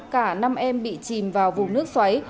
cả năm em bị chìm vào vùng nước xoáy